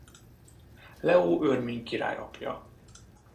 Leó örmény király apja.